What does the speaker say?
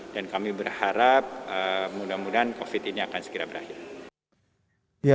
dan kami berharap mudah mudahan covid ini akan segera berakhir